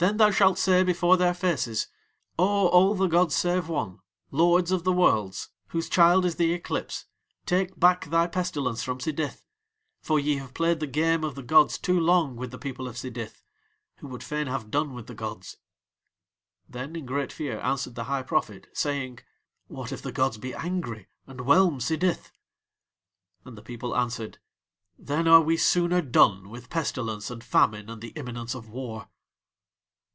"Then thou shalt say before Their faces: 'O All the gods save One, Lords of the Worlds, whose child is the eclipse, take back thy pestilence from Sidith, for ye have played the game of the gods too long with the people of Sidith, who would fain have done with the gods'." Then in great fear answered the High Prophet, saying: "What if the gods be angry and whelm Sidith?" And the people answered: "Then are we sooner done with pestilence and famine and the imminence of war."